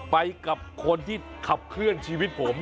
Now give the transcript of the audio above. ไปกับคนที่ขับเคลื่อนชีวิตผม